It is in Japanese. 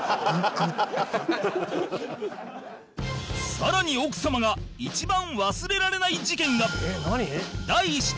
さらに奥様が一番忘れられない事件が